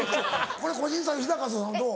これ個人差ある日高さんどう？